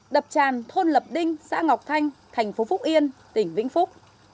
đập tràn thôn lập đinh xã ngọc thanh thành phố phúc yên tỉnh vĩnh phúc